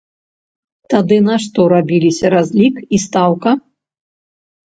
Тады на што рабіліся разлік і стаўка?